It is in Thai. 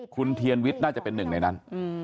คุณเทียนวิทย์น่าจะเป็นหนึ่งในนั้น